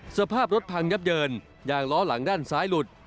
สภาพรถพังยับเยินยางล้อหลังด้านซ้ายหลุด